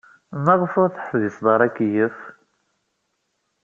Maɣef ur teḥbised ara akeyyef?